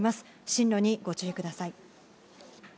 進路にご注意ください。